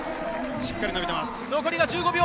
しっかり決めています。